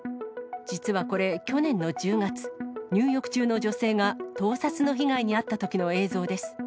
実はこれ、去年の１０月、入浴中の女性が盗撮の被害に遭ったときの映像です。